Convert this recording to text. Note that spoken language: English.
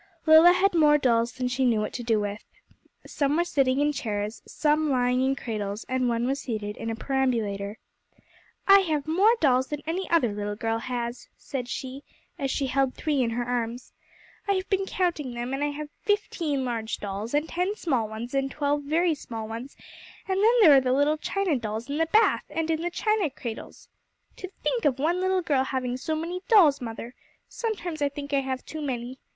* Lilla had more dolls than she knew what to do with. Some were sitting in chairs, some lying in cradles, and one was seated in a perambulator. 'I have more dolls than any other little girl has,' said she, as she held three in her arms. 'I have been counting them, and I have fifteen large dolls, and ten small ones, and twelve very small ones, and then there are the little china dolls in the bath and in the china cradles. To think of one little girl having so many dolls, mother! Sometimes I think I have too many.